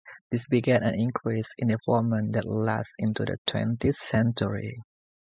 This began an increase in development that lasted into the twentieth century.